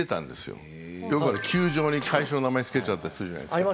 よく球場に会社の名前付けちゃったりするじゃないですか。